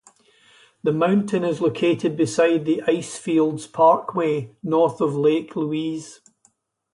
The mountain is located beside the Icefields Parkway, north of Lake Louise.